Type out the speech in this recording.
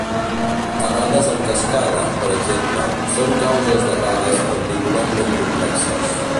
Errades en cascada, per exemple, són causes d'errades particularment complexes.